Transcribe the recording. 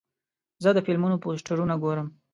زه د فلمونو پوسټرونه ګورم.